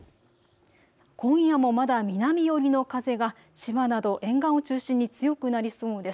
今夜もまだ南寄りの風が千葉など沿岸を中心に強くなりそうです。